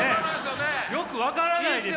よく分からないですよ！